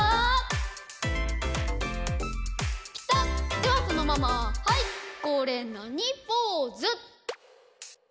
ではそのままはいこれなにポーズ？